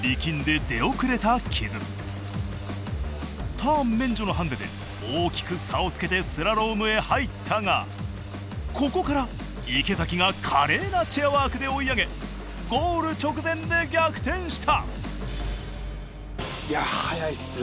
ターン免除のハンデで大きく差をつけてスラロームへ入ったがここから池崎が華麗なチェアワークで追い上げゴール直前で逆転した。